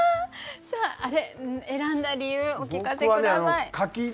さあ選んだ理由お聞かせ下さい。